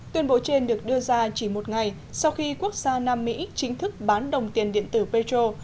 tuyên bố trên được đưa ra chỉ một ngày sau khi quốc gia nam mỹ chính thức bán đồng tiền điện tử petro